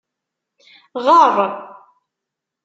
Ɣer!